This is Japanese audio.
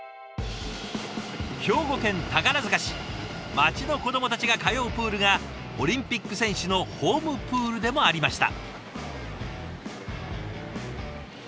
町の子どもたちが通うプールがオリンピック選手のホームプールでもありました。